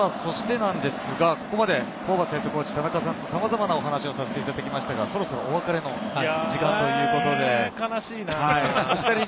そして、ここまでホーバスＨＣ、田中さんとさまざまな話をしていましたが、そろそろお別れの時間ということで。